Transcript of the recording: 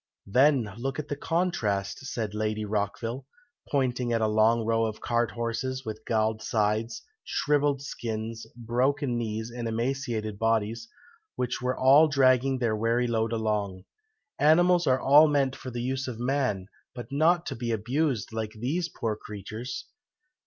"Then look at the contrast," said Lady Rockville, pointing to a long row of cart horses with galled sides, shrivelled skins, broken knees, and emaciated bodies, which were all dragging their weary load along. "Animals are all meant for the use of man, but not to be abused, like these poor creatures!"